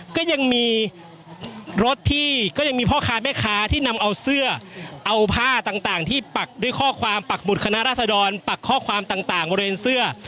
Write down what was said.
ก็ยังมีรถที่ก็ยังมีพ่อค้าแม่ค้าที่นำเอาเสื้อเอาผ้าต่างที่ปักด้วยข้อความปักบุตรคณะราษดรปักข้อความต่างบริเวณเสื้อ